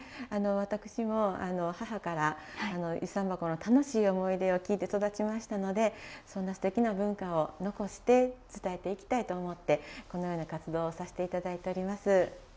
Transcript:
私も母から遊山箱の楽しい思い出を聞いて育ちましたのでそんなすてきな文化を残して伝えていきたいと思ってこのような活動をさせて頂いております。